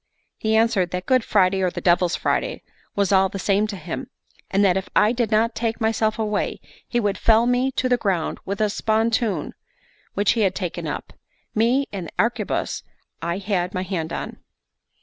He answered that Good Friday or the Devil's Friday was all the same to him, and that if I did not take myself away, he would fell me to the ground with a spontoon which he had taken up me and the arquebuse I had my hand on.